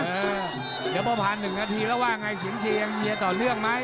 เดี๋ยวพอผ่าน๑นาทีแล้วว่าไงเสียงเชียร์เชียร์ต่อเรื่องไหม